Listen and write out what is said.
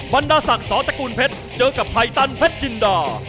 บรรดาศักดิ์สอตกุลเพชรเจอกับไพตันแพทย์จินดา